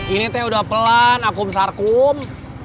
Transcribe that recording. ini teh udah pelan akum sarkum